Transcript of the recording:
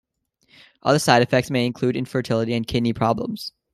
Other side effects may include infertility and kidney problems.